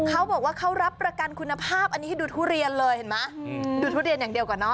เขาบอกว่าเขารับประกันคุณภาพอันนี้ดูทุเรียนเลยเห็นมั้ย